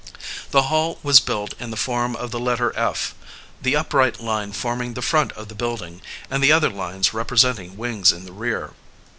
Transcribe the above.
The Hall was built in the form of the letter F, the upright line forming the front of the building and the other lines representing wings in the rear.